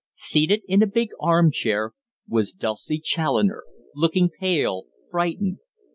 Seated in a big arm chair was Dulcie Challoner, looking pale, frightened.